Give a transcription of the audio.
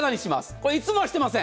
これ、いつもはしてません。